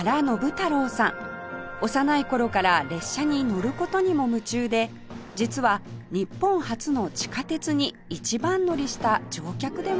幼い頃から列車に乗る事にも夢中で実は日本初の地下鉄に一番乗りした乗客でもあるんです